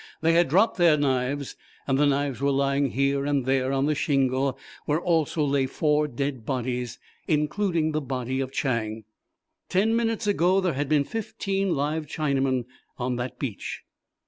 They had dropped their knives and the knives were lying here and there on the shingle where also lay four dead bodies including the body of Chang. Ten minutes ago there had been fifteen live Chinamen on that beach.